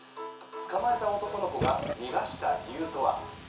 捕まえた男の子が逃がした理由とは？